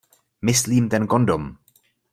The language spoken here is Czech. Myslím ten kondom.